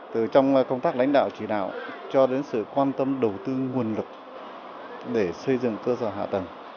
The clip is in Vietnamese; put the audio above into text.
từ trong công tác lãnh đạo chỉ đạo cho đến sự quan tâm đầu tư nguồn lực để xây dựng cơ sở hạ tầng